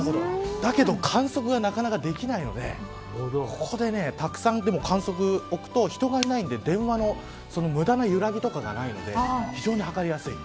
だけど観測がなかなかできないのでここでたくさん観測置くと人がいないんで電話の無駄な揺らぎとかがないので非常に測りやすい。